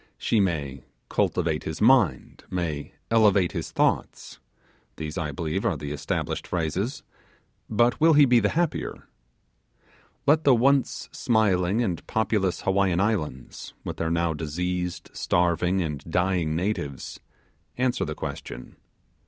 She may 'cultivate his mind may elevate his thoughts,' these I believe are the established phrases but will he be the happier? Let the once smiling and populous Hawaiian islands, with their now diseased, starving, and dying natives, answer the question.